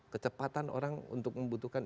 kecepatan orang untuk membutuhkan